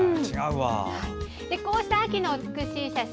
こうした秋の美しい写真。